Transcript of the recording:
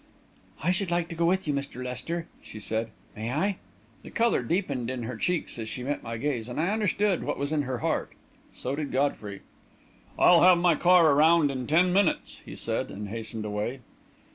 "I should like to go with you, Mr. Lester," she said. "May I?" The colour deepened in her cheeks as she met my gaze, and I understood what was in her heart. So did Godfrey. "I'll have my car around in ten minutes," he said, and hastened away.